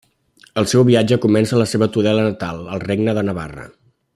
El seu viatge comença a la seva Tudela natal, al Regne de Navarra.